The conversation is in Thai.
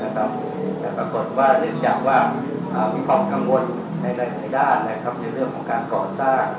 แต่ปรากฏว่าเนื่องจากว่ามีความกังวลในหลายด้านในเรื่องของการก่อสร้าง